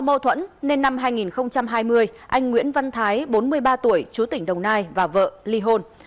do mâu thuẫn nên năm hai nghìn hai mươi anh nguyễn văn thái bốn mươi ba tuổi chú tỉnh đồng nai và vợ ly hôn